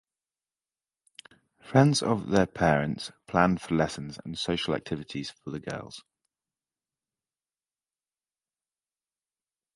Friends of their parents planned for lessons and social activities for the girls.